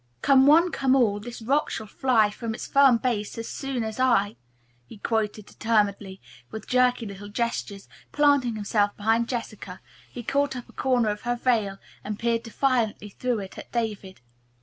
"'Come one, come all, this rock shall fly From its firm base as soon as I!'" he quoted determinedly, with jerky little gestures. Planting himself behind Jessica, he caught up a corner of her veil and peered defiantly through it at David.